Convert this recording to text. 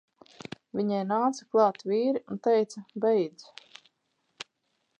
Viņai nāca klāt vīri un teica: "Beidz!"